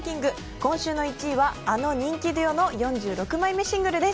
今週の１位は、あの人気デュオの４６枚目シングルです。